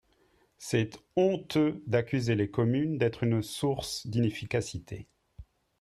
C’est honteux d’accuser les communes d’être une source d’inefficacité.